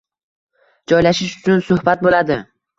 Joylashish uchun suhbat boʻladi.